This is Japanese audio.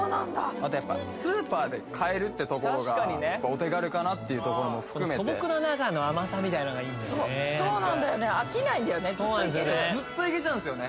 あとやっぱスーパーで買えるってところがお手軽かなっていうところも含めてみたいなのがいいんだよねそうなんだよね飽きないんだよねずっといけるずっといけちゃうんすよね